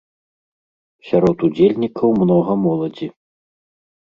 Сярод удзельнікаў многа моладзі.